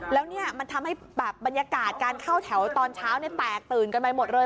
แล้วเนี่ยมันทำให้แบบบรรยากาศการเข้าแถวตอนเช้าแตกตื่นกันไปหมดเลย